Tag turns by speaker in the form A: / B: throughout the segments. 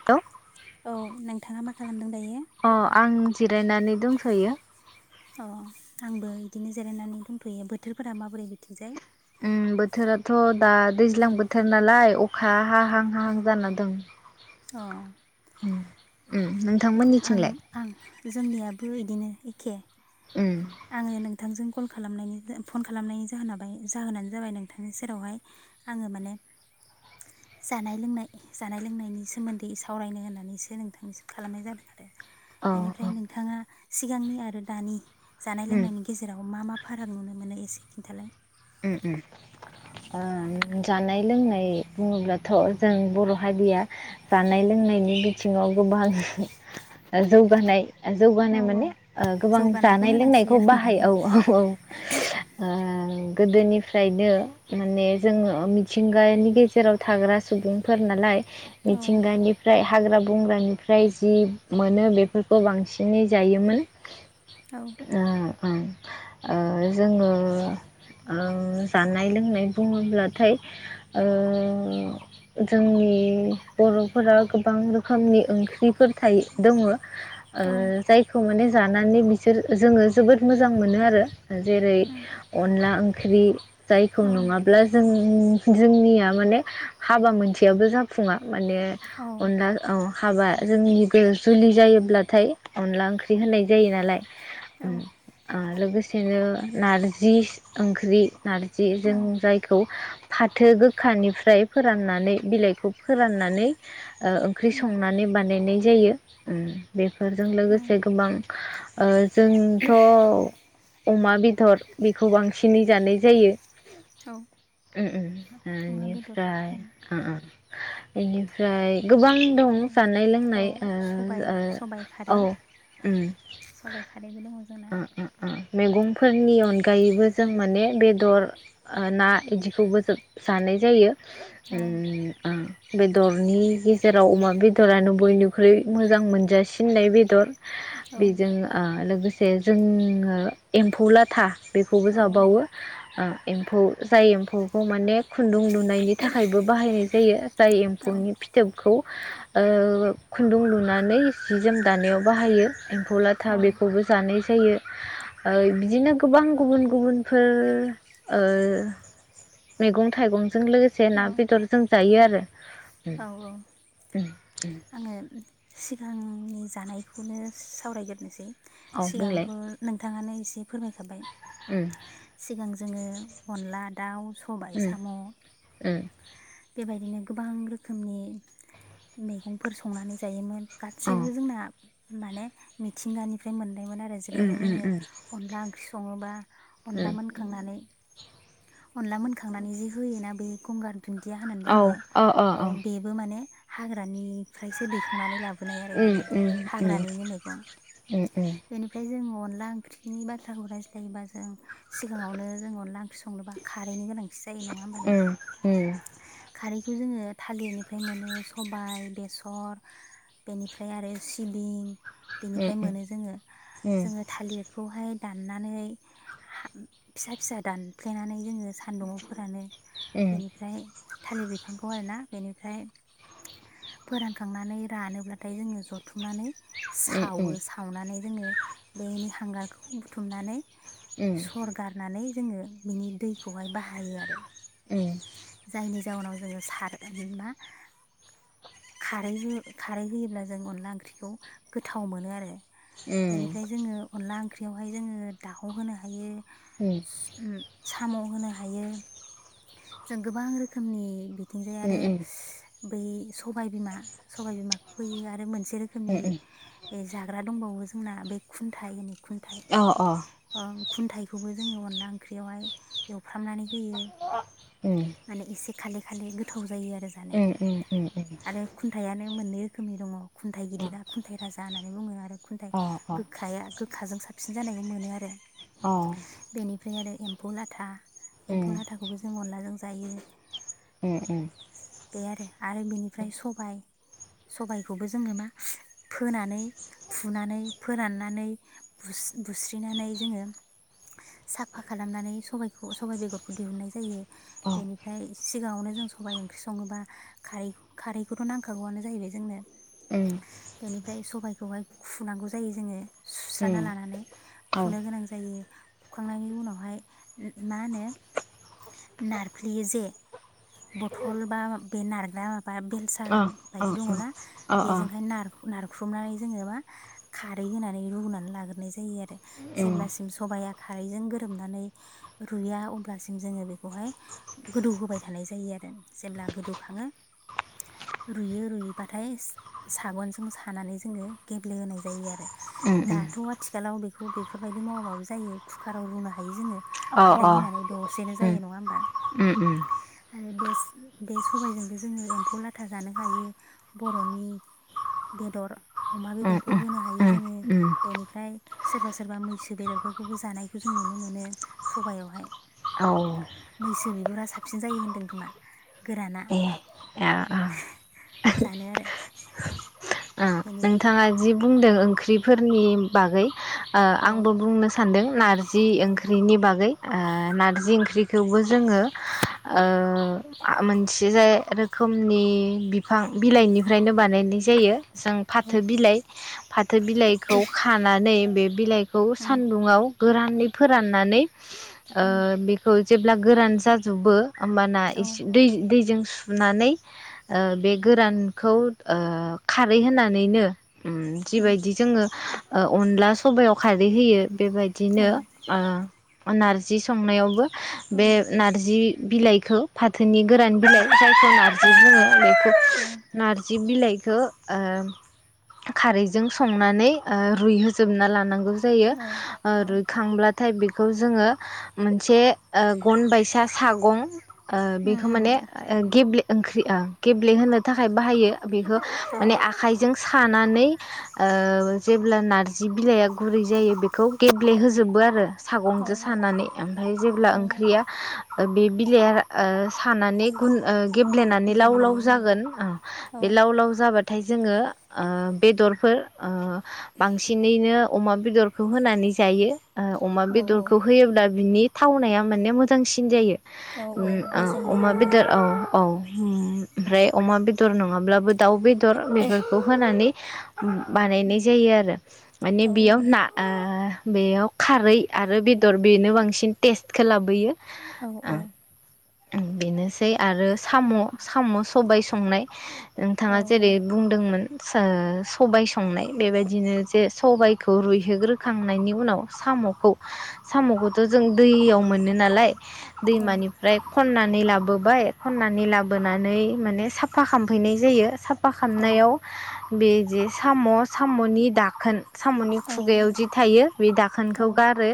A: Hello
B: औ नोंथाङा मा खालामदों दायो?
A: अ आं जिरायनानै दंथ'यो।
B: अ आंबो इदिनो जिरायनानै दंथ'यो बोथोरफोरा माबोरै बिथिंजाय?
A: उम बोथोराथ' दा दैज्लां बोथोर नालाय अखा हाहां हाहां जाना दं।
B: अ।
A: ओम नों
B: आं आं जोंनियाबो बिदिनो एखे
A: उम
B: आङो नोंथांजों कल खालामनायनि फन खालामनायनि जाहोन बाय जाहोनानो जाबाय नोंथांनि सेरावहाय आङो माने जानाय लोंनाय जानाय लोंनायनि सोमोन्दै सावरायनो होन्नानैसो नोंथांनि खालामनाय जादों।
A: अ
B: बेनिफ्राय
A: अ
B: नोंथाङा। सिगांनि आरो दानि। जानाय
A: उम
B: लोंनायनि गेजेराव मा मा। फाराग नुनो मोनो एसे खिन्थालाय।
A: उम उम ओम जानाय लोंनाय बुङोब्लाथ जों बर हारिया जानाय लोंनायनि बिथिङाव गोबां जौगानाय।
B: औ
A: जौगानाय
B: औ
A: माने ओ गोबां
B: जौगानायखौनो
A: जानाय लोंनायखौ
B: होनांसिगोन
A: बाहायो औ औ औ। गोदोनिफ्रायनो माने जोङो मिथिंगानि गेजेराव थाग्रा सुबुंफोर नालाय
B: औ
A: मिथिंगानिफ्राय हाग्रा बंग्रानिफ्राय जि मोनो बेफोरखौ बांसिनै जायोमोन
B: औ
A: ओ ओं जोङो। ओ जानाय लोंनाय बुङोब्लाथाय ओ जोंनि बरफोरा गोबां रोखोमनि ओंख्रिफोर थायो दङ जायखौ माने जानानै बिसोर जोङो जोबोद मोजां मोनो आरो जेरै। अनला ओंख्रि जायखौ
B: औ
A: नङाब्ला जों जोंनिया माने हाबा मोनसेयाबो जाफुङा माने
B: औ
A: अनला औ हाबा जोंनिबो जुलि जायोब्लाथाय अनला ओंख्रि होनाय जायो नालाय।
B: औ
A: उम। ओ लोगोसेनो नार जि ओंख्रि नारजि जों जायखौ फाथो गोखानिफ्राय फोराननानै बिलाइखौ फोराननानै ओंख्रि संनानै बानायनाय जायो बेफोर। फोरजों लोगोसे गोबां। ओ। जोंथ। अमा बेदर। बेखौ बांसिनै जानाय जायो। ओम ओम
B: अमा बेदर
A: बेनिफ्राय बेनिफ्राय गोबां दं। जानाय
B: औ
A: लोंनाय
B: सबाय सबाय
A: ओ
B: खारै
A: औ उम।
B: सबाय खारैबो दङ जोंना
A: ओ ओ ओ मेगं। फोरनि अनगायैबो जों माने बेदर ओ ना इदिखौबो जोब जानाय जायो। ओ
B: औ
A: ओम मोन- बेदरनि गेजेराव अमा बेदरानो बयनिख्रुइ मोजां मोनजासिननाय बेदर।
B: औ
A: बेजों ओ लोगोसे। जोङो एम्फौ लाथा। बेखौबो
B: औ
A: जाबावो ओ। एम्फौ जाय एम्फौ। एम्फौखौ माने खुन्दुं लुनायनि थाखायबो बाहायनाय जायो जाय
B: औ
A: एम्फौनि फिथोबखौ। ओ खुन्दुं लुनानै जि जोम दानायाव बाहायो एम्फौ लाथा
B: औ
A: बेखौबो नाय जायो ओ बिदिनो गोबां गुबुन गुबन फो ओ मेगं थाइगं जों लोगोसे ना बेदर जों जायो आरो उम उम उम
B: आङो सिगांनि दानायखौनो सावरायग्रोसै
A: औ
B: सिगांथ'
A: बुंलाय
B: नों थाङानो एसे फोरमायखाबाय
A: उम उम
B: सिगां जोङो अनला दाउ सबाय
A: उम औ
B: साम'
A: उम
B: बेबायदिनो गोबां रोखोमनि मै गंफोर संनानै जायोमोन गासैबो जोंना माने मिथिंगानिफ्राय मोन नो आरो जैरैहाय
A: उम
B: जोंङो
A: उम
B: अनला ओंख्रि सं सङोबा अनला
A: उम
B: मोनखांनानै अनला मोनखांनानै जि होयोना बे गंगार दुन्दिया होननानै
A: औ
B: बुङो
A: अ अ
B: औ
A: अ
B: बेबो माने हाग्रा निफ्रायसो दैखांनानै लाबो बियो आरो
A: उम
B: बियो
A: उम उम उम
B: हाग्रानिनो मैगं
A: उम
B: बेनिफ्राय जों अनला ओंख्रिनि बाथ्राखौ रायज्लायोबा जों सिगाङावनो जों अनला ओंख्रि संनोबा खारैनो गोनां जायो नङा होमबा
A: उम
B: नोंथां।
A: उम
B: खारै खौ जोङो थालिरनिफ्राय मोनो सम बाइ, बेसर बेनिफ्राय आरो सिबिं
A: औ
B: बेनिफ्राय मोनो जोङो जोङो थालिरखौहाय दाननानै फिसा फिसा दानफ्लेनानै जोङो सान्दुुंआवफोरानो बेनिफ्राय थालिर बिफांखौ आरोना बेनिफ्राय फोरानखांनानै रानोब्लाथाय जोङो जथुमनानै सावो सावनानै जोङो बेनि हांगारखौ बुथुमनानै सर गारनानै जोङो बिनि दैखौहाय बाहायो आरो
A: ओ
B: जायनि जाउनाव जोङो सार मा खारै खारै होयोब्ला जों अनला ओंख्रिखौ गोथाव मोनो आरो बेनिफ्राय जोङो अनला ओंख्रियावहाय जोङो दाव होनो हायो। ओम साम' होनो हायो। जों गोबां रोखोमनि बि थिंजाय आरो बै सबाय बिमा, सबाय बिमाखौ फोयो आरो मोन से रोखोमनि ए जाग्रा दंबावो जोंना बै खुन्थाय होनो खुनथाइ। ओं खुन्थायाइखौबो जोङो अनला ओंख्रियावहाय एवफ्रामनानै होयो। माने इ से खाले खाले गोथाव जायो आरो जानो
A: उम उम उम उम
B: आरो खुन्थाइआनो मोननै रोखोमनि दङ। खुनथाइ गिदिरा खुनथाइ राजा होन नानै बुङो आरो। खुन्थाइ गोखाया गोखाजों साब फिन जानायखौ मोनो आरो
A: अ
B: ओमफ्राय आरो एम्फौ लाथा एम्फौ लाथाखौबो जों अनला जों जायो।
A: उम उम
B: बे आरो आरो बेनिफ्राय सबाय सबायखौबो जोङो मा फोनानै फुनानै फोराननानै बुस्रि-बुस्रिनानै जोङो साफा खालामनानै सबाइखौ सबाइ बेगरखौ दिहुननाय जायो। बेनिफ्राय सिगाङावनो जों सबाय ओं ख्रि सङोबा खारै खारैखौथ' नांखागौआनो जाहैबाय जोंनो।
A: ओम
B: फ्राय सबायखौहाय खुनांगौ जायो जोङो सुस्राना लानानै खुनो गोनां जायो। खुखांनायनि उनावहाय उम मा होनो नारफ्लेयो जे ब थल बा बे नारग्रा बा बेलसा बायदि दङ ना बेजोंहाय नार ख्रुबनानै जोङो मा खारै होनानै रुनानै लाग्रोनाय जायो आरो जेब्लासिम सबाया खारैजों गोरोबनानै रुया अब्लासिम जोङो बेखौहाय गोदौ होबाय थानाय जायो आरो जेब्ला गोदौखाङो रुयो रुयोबाथाय साबोनजों सानानै जोङो गेब्लेहोनाय जायो आरो दाथ' आथि आथिखालाव बेखौ बेफोरबायदि मावाबाबो जायो कुकाराव रुनो हायो जोङो खारै होनानै दसेनो जायो नंया होमबा। बे सबायजोंबो जोंङो एम्फौ लाथा जानो हायो बर'नि बेदर अमा बेदरखौ होनो हायो जोंङो बेनिफ्राय सोरबा सोरबा मैसो बेदरफोरखौबो जानायखौ जों नुनो मोनो सबयावहाय मैसो बिगुरा साबसिन जायो होनदों खोमा गोराना
A: ए
B: जानो आरो
A: ओ
B: बेनि
A: नोंथाङा जि बुंदों ओंख्रिफोरनि बागै ओ
B: औ
A: आंबो बुंनो सान्दों नारजि जि
B: औ
A: ओंख्रिनि बागै ओ नारजि ओंख्रि थेवबो जोंङो ओ मोनसे रोखोमनि बिफां
B: औ
A: फाथो बिलाइ फाथो बिलाइखौ खानानै बे बिलाइखौ
B: उम
A: सानदुंङआव गोरानै फोराननानै ओ
B: उम
A: बेखौ जेब्ला गोरान जाजोबो होमबाना
B: औ उम
A: इसे दै-दैजों सुनानै ओ बे गोरानखौ ओ खारै होनानै नैैनो उम जिबायदि जोंङो ओ अनला सबायाव खारै होयो
B: औ
A: बेबायदिनो ओ नारजि संनायावबो
B: औ
A: बे नारजि बिलाइखौ फा थोनि गोरान बिलाइ जायखौ नार्जि बुङो बेखौ नार्जि बिलाइ खौ ओ खारैजों संनानै ओ रुइहोजोबना लानांगौ जायो
B: औ
A: ओ
B: औ उम
A: रुइखांबा नाथाय बेखौ जोंङो मोनसे ओ गन बायसा सागं ओ
B: उम
A: बेखौ माने
B: औ
A: ओ गेब्ले ओंख्रि गेब्ले होनो थाखाय बाहायो। बेखौ माने आखाय। नों सानानै जेब्ला नारजि बिलाइआ गुरै जायो बेखौ गेब्लेहोजोबो आरो। सागंजों
B: औ
A: सानानै ओमफ्राय जेब्ला
B: औ औ
A: ओंख्रिया। बे बिलाइआ सानानै गुन। गेब्लेनानै लाव लाव
B: गेब्लेयो
A: जागोन
B: औ
A: बे लाव लाव जाबा। ओमफ्राय जोङो ओ बेदरफोर ओ। बांसिनैनो अमा बेदरखौ होनानै जायो। ओ अमा
B: औ औ
A: बेदरखौ होयोब्ला बिनि थावनाया माने मोजांसिन जायो।
B: औ औ
A: ओम
B: मेजेम
A: ओ
B: दङ
A: अमा
B: नालाय
A: बेदर औ औ। होम ओमफ्राय अमा बे अमा बेदर नङाब्लाबो दाउ बेदर बेफोर। होननानै। बानायनाय जायो आरो माने
B: औ
A: बेयाव ना ओ बेयाव खारै आरो बेदर बेनो बांसिन टेस्टखो लाबोयो।
B: औ औ।
A: ओं बेनोसै। आरो साम साम सबाय संनाय।
B: औ
A: नोंथाङा जेरै बुंदोंमोन। सो सबाय संनाय बेबायदिनो जे सबायखौ रुइहोग्रोखांनायनि उनाव सामखौ सामखौथ जों दैयाव मोनो नालाय।
B: औ
A: दैमानिफ्राय खनानै। खनानै लाोबोबाय खननानै लाबोनानै माने साफा खालाफैना जायो साबफा
B: औ
A: खालामनायाव। बेजे साम सामनि दाखोन। सामनि खुगायाव जि थायो बे दाखोनखौ गारो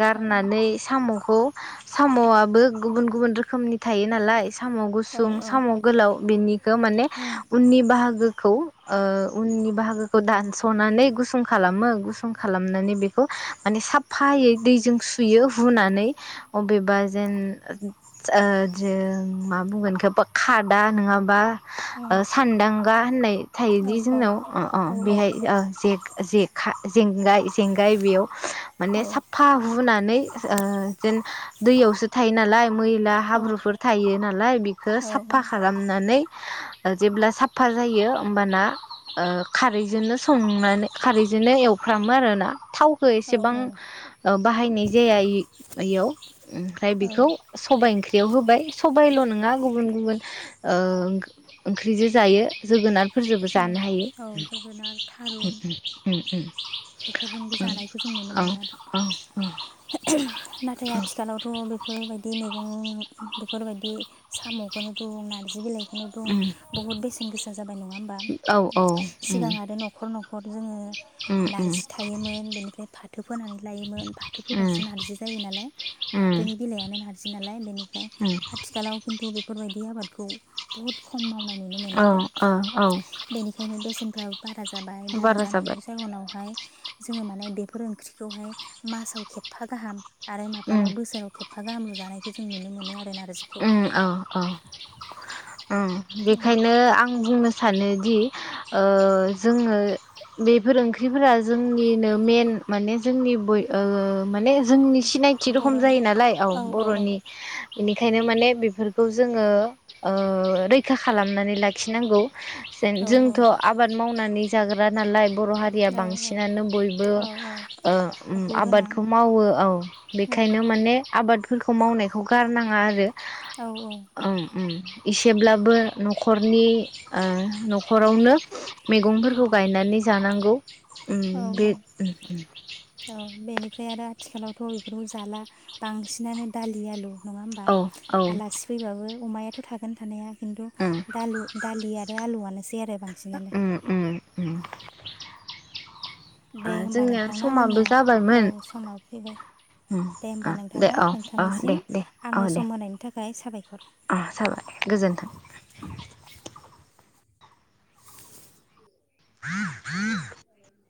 A: गारनानै सामखौ सामआबो गुबुन गुबुन रोखोमनि थायो नालाय। साम गुसुं साम गोलाव बेनिखौ माने उननि बाहागो औ उननि बाहागोखौ दानसनानै गुसुं खालामो गुसुं खालामनानै बेखौ माने साफायै दैजों सुयो हुनानै अबेबा जेन ओ जे माबुंगोन इखो खादा नङाबा ओ सानदां बा। होननाय थायोदि जोंनाव अ अ
B: औ
A: बेहाय ओ जे जेखा जेंगाय जेंगाय बेयाव माने
B: औ
A: साफा हुनानै ओ जेन दैयावसो थायो नालाय मैला हाब्रुफोर थायो नालाय बेखौ साफा खालामनानै ओ जेब्ला साफा जायो होमबाना ओ खारैजोंनो संनानै खारैजोंनो एवफ्रामो आरो ना। थावखौ एसेबां ओ बाहायनाय जाया इयाव ओमफ्राय बेखौ सबाय ओंख्रि बेयाव होबाय सबायल' नोङा गुबुन गुबुन ओ ओंख्रिजों जायो। जोगोनार फोरजोंबो जानो हायो
B: जोगोनार थारुन
A: उम उम उम [inaudible]
B: बेफोरजोंबो जानायखौ जों नुनो मोनो आरो
A: औ औ उम
B: नाथाय आथिखालावथ' बेफोरबायदि मैग [unintelligible] बेफोरबायदि साम'खौनो बुं नारजि बिलाइ खौनो बुं बुहुत बेसेन गोसा जाबाय नङा होमबा
A: औ औ उम
B: सिगां आरो न'खर न'ख खर जोङो
A: उम
B: नार्जि थायोमोन बेनिफ्राय फाथो फोनानै लायोमोन फाथो
A: उम
B: फोबासो नार्जि जायो नालाय
A: उम
B: फाथोनि बिलायानो नारजि नालाय बेनिफ्राय
A: उम
B: आथिखालाव खिन्थु बेफोरबायदि आबाद खौ बहुद खम मावनाय नुनो मोनो
A: औ
B: आरो
A: औ औ
B: बेनिखायनो बेसेनफ्राबो बारा जाबाय बारा जानायनि जाहोनाव जोङो माने बेफोर ओंख्रिखौहाय मासाव खेबफा गाहाम आरो
A: उम
B: माब्लाबा बोसोराव खेफा गाहामल जानायखौ जों नुनो मोनो आरोना
A: उम औ औ ओं बेखायनो आं बुंनो सा सानोदि ओ जोङो बेफोर ओंख्रिफोरा जोंनिनो मेन माने जोंनि बय ओ माने जोंनि सिनायथि रखम
B: बर'नि
A: जायो नालाय औ बर'नि बेनि ओंखायनो माने बेफोरखौ जोङो ओ रैखा खालामनानै लाखिनांगौ। जेन
B: औ
A: जोंथ' आबाद मावनो नानै जाग्रा नालाय बर' हारिया
B: औ
A: बांसिनानो बयबो
B: औ औ
A: ओ उम
B: हु गोनां
A: आबादखौ मावो औ
B: औ
A: बेखायनो माने आबाद फोरखौ मावनायखौ गारनाङा आरो
B: औ औ
A: उम इसेब्लाबो न'खरनि ओ न' खरावनो मैगंफोरखौ गायनानै जानांगौ। उम
B: औ
A: बे [unintelligible]
B: ओमफ्राय आरो आथिखालावथ' बेफोरखौ जाला बांसिनानो दालि आलु। नङा होमबा
A: औ औ
B: आलासि फैबाबो। अमायाथ' थागोन थानाया खिन्थु
A: उम
B: दालु-दालि आरो आलुआनो। [unintelligible]
A: उम उम उम।
B: दे
A: ओ
B: होमबा
A: जोंनिया
B: नोंथां ना जोंना
A: समाबो
B: औ
A: जाबायमोन
B: समाव फैबाय
A: उम
B: दे
A: ओ
B: होमबा नोंथां
A: दे
B: ना
A: औ औ दे
B: नोंथांनिसिम आंनो सम होनायनि थाखाय। गाय साबायखर।
A: आ जाबाय गोजोन्थों। [inaudible]